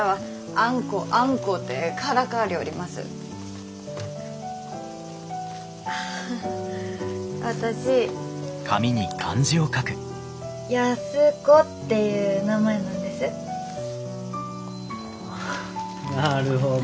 ああなるほど。